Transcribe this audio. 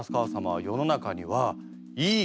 はい。